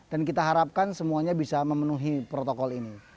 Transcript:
dan kita harapkan semuanya bisa memenuhi protokol ini